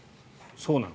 そうなの？